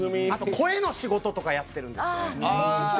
声の仕事とかやってるんですよ。